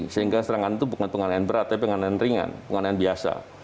sehingga serangan itu bukan penganaan berat tapi penganaan ringan penganaan biasa